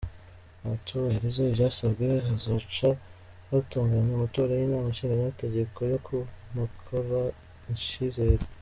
Natubahiriza ivyasabwe, hazoca hatunganywa amatora y'inama nshingamateka yo kumukurako icizere.